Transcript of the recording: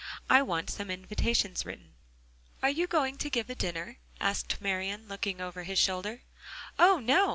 I want some invitations written." "Are you going to give a dinner?" asked Marian, looking over his shoulder. "Oh, no!